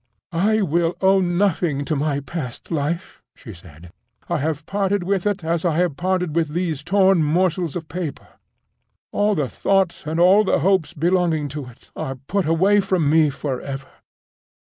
"I will owe nothing to my past life," she said. "I have parted with it as I have parted with those torn morsels of paper. All the thoughts and all the hopes belonging to it are put away from me forever!"